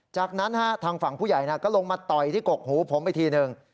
จากนั้นฮะทางฝั่งผู้ใหญ่นะฮะก็ลงมาต่อยที่กกหูผมไปทีนึง